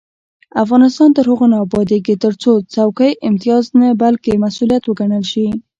افغانستان تر هغو نه ابادیږي، ترڅو څوکۍ امتیاز نه بلکې مسؤلیت وګڼل شي.